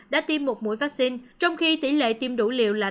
đã tiêm một mũi vaccine trong khi tỷ lệ tiêm đủ liều là tám mươi một